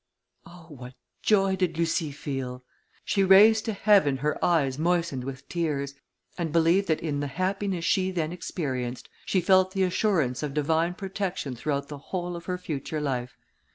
Oh! what joy did Lucie feel! She raised to heaven her eyes moistened with tears, and believed that in the happiness she then experienced, she felt the assurance of divine protection throughout the whole of her future life.